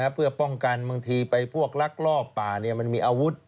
เพื่อป้องกันบางทีไปพวกลักลอบป่ามันมีอาวุธ